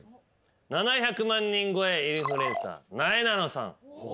７００万人超えインフルエンサーなえなのさん。